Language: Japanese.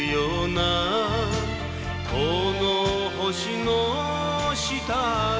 「この星の下で」